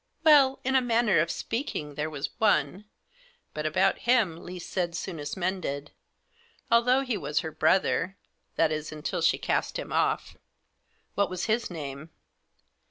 " Well, in a manner of speaking, there was one ; but about him least said soonest mended ; although he was her brother— that is f . until she cast him off." " What was his name